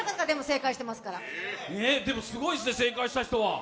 でも、すごいですね、正解した人は。